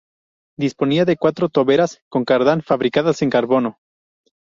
Disponía de cuatro toberas con cardán fabricadas en carbono.